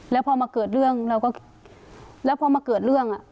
แล้วพอมาเกิดเรื่องเราก็